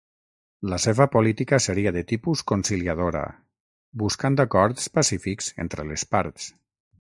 La seva política seria de tipus conciliadora, buscant acords pacífics entre les parts.